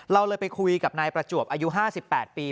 เราเลยไปคุยกับนายประจวบอายุ๕๘ปี